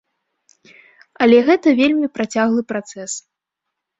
Але гэта вельмі працяглы працэс.